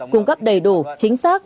cung cấp đầy đủ chính xác